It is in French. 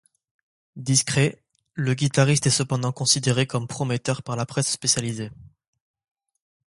Discret, le guitariste est cependant considéré comme prometteur par la presse spécialisée.